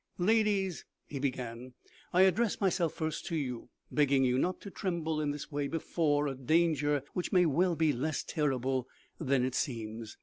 " Ladies," he began, " I address myself first to you, begging you not to tremble in this way before a danger which may well be less terrible than it seems.